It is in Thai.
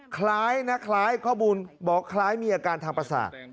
คล้ายนะคล้ายข้อมูลบอกคล้ายมีอาการทางประสาท